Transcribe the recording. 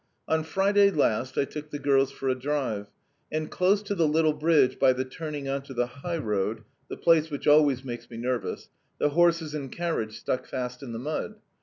"On Friday last I took the girls for a drive, and, close to the little bridge by the turning on to the high road (the place which always makes me nervous), the horses and carriage stuck fast in the mud.